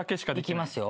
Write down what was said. いきますよ。